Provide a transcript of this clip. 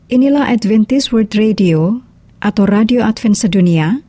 inilah adventist world radio atau radio advent sedunia